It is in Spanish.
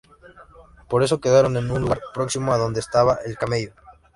Por eso quedaron en un lugar próximo a donde estaba el camello.